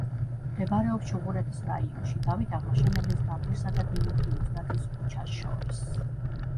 მდებარეობს ჩუღურეთის რაიონში, დავით აღმაშენებლის გამზირსა და დიმიტრი უზნაძის ქუჩას შორის.